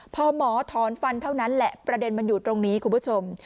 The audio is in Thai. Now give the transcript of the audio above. พอหมอถอนฟันเท่านั้นแหละประเด็นมันอยู่ตรงนี้คุณผู้ชม